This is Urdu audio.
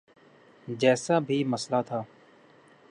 جیسا بھی مسئلہ تھا۔